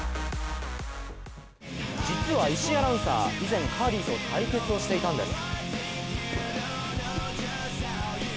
実は石井アナウンサー、以前カーリーと対決をしていたんです。